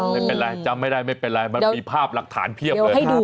ไม่เป็นไรอย่างนั้นมันมีภาพหลักฐานเทียบเลย